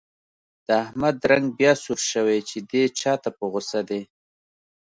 د احمد رنګ بیا سور شوی، چې دی چا ته په غوسه دی.